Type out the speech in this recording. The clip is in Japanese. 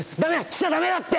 来ちゃ駄目だって。